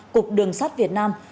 cục đường sát việt nam